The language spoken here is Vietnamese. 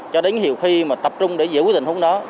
cho đến nhiều khi mà tập trung để giữ tình huống đó